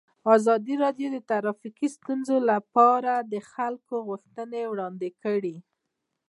ازادي راډیو د ټرافیکي ستونزې لپاره د خلکو غوښتنې وړاندې کړي.